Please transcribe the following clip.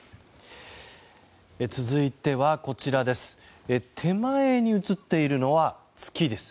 続いては手前に写っているのは月です。